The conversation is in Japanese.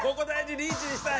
リーチにしたい。